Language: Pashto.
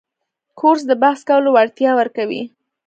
کورس د بحث کولو وړتیا ورکوي.